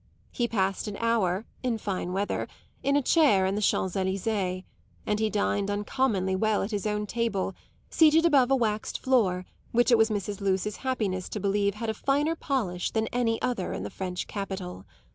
He passed an hour (in fine weather) in a chair in the Champs Elysées, and he dined uncommonly well at his own table, seated above a waxed floor which it was Mrs. Luce's happiness to believe had a finer polish than any other in the French capital.